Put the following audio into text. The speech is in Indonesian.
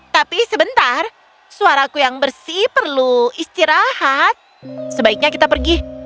tapi sebentar suaraku yang bersih perlu istirahat sebaiknya kita pergi